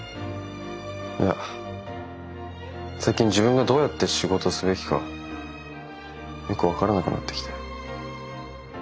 いや最近自分がどうやって仕事すべきかよく分からなくなってきて。